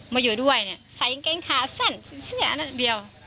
มาอยู่ด้วยเนี่ยใส่กางเกงขาสั้นสีเสื้ออันเดียว